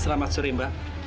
selamat sore mbak